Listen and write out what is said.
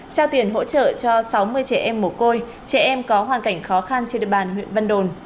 trao tiền hỗ trợ cho sáu mươi trẻ em mổ côi trẻ em có hoàn cảnh khó khăn trên địa bàn huyện vân đồn